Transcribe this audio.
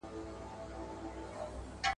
پخواني وخت کي یو مسلمان ذمي وواژه.